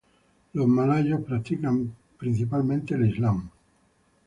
El islamismo es practicado principalmente por los malayos.